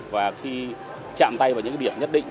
và khi chạm tay vào những điểm nhất định